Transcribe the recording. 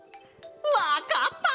わかった！